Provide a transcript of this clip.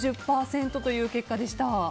６０％という結果でした。